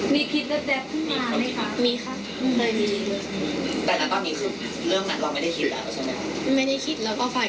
ไม่ได้คิดแล้วก็ฝ่ายไป